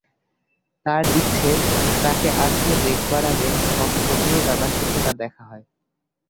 তার ইচ্ছে তাকে আর কেউ দেখবার আগে সব প্রথমেই দাদার সঙ্গে তার দেখা হয়।